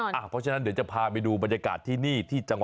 เพราะฉะนั้นเดี๋ยวจะพาไปดูบรรยากาศที่นี่